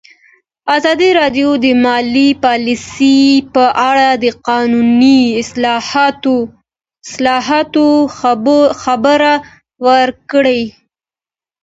ازادي راډیو د مالي پالیسي په اړه د قانوني اصلاحاتو خبر ورکړی.